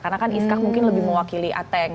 karena kan iskak mungkin lebih mewakili ateng